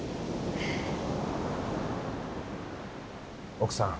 奥さん。